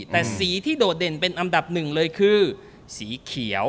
แต่สีที่โดดเด่นเป็นอันดับหนึ่งเลยคือสีเขียว